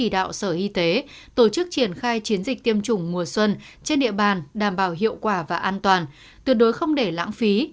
sở y tế tổ chức triển khai chiến dịch tiêm chủng mùa xuân trên địa bàn đảm bảo hiệu quả và an toàn tuyệt đối không để lãng phí